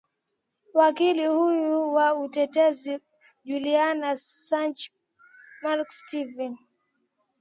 wakili huyo wa utetezi juliana sanj mark steven